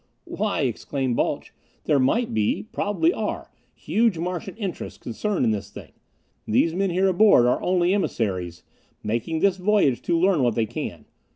"Why," exclaimed Balch, "there might be probably are huge Martian interests concerned in this thing. These men here aboard are only emissaries, making this voyage to learn what they can.